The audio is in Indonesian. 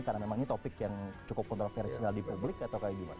karena memang ini topik yang cukup kontroversial di publik atau kayak gimana